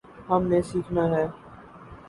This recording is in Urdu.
ہم نے سیکھنا ہے۔